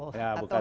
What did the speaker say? ya bukan survival